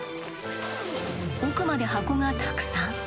奥まで箱がたくさん。